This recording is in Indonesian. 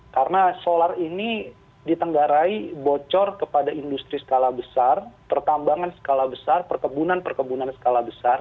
karena solar ini ditenggarai bocor kepada industri skala besar pertambangan skala besar perkebunan perkebunan skala besar